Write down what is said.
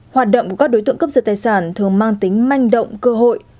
hoạt động của các đối tượng cướp giật tài sản thường mang tính manh động cơ hội